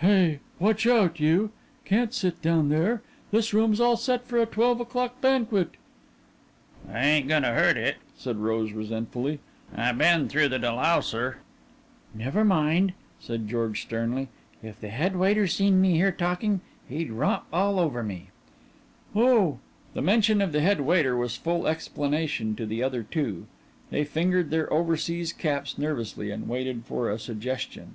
"Hey! Watch out, you! Can't sit down here! This room's all set for a twelve o'clock banquet." "I ain't goin' to hurt it," said Rose resentfully. "I been through the delouser." "Never mind," said George sternly, "if the head waiter seen me here talkin' he'd romp all over me." "Oh." The mention of the head waiter was full explanation to the other two; they fingered their overseas caps nervously and waited for a suggestion.